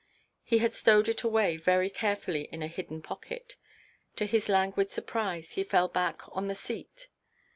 He had stowed it away very carefully in a hidden pocket. To his languid surprise, he fell back on the seat.